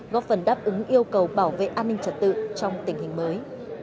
góp phần đáp ứng yêu cầu bảo vệ an ninh trật tự trong tình hình mới